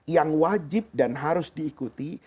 yang wajib dan harus diikuti